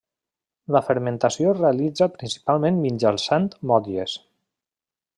La fermentació es realitza principalment mitjançant motlles.